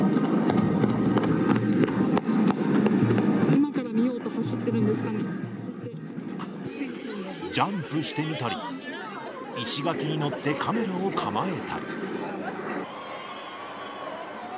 今から見ようと走ってるんでジャンプしてみたり、石垣に乗ってカメラを構えたり。